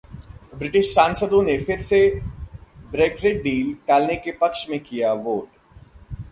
British सांसदों ने फिर से ब्रेग्जिट डील टालने के पक्ष में किया वोट